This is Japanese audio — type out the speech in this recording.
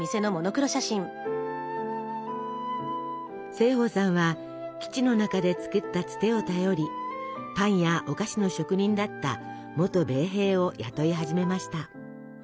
盛保さんは基地の中で作ったツテを頼りパンやお菓子の職人だった元米兵を雇い始めました。